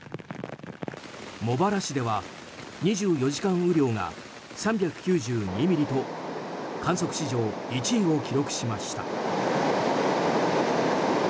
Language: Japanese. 茂原市では２４時間雨量が３９２ミリと観測史上１位を記録しました。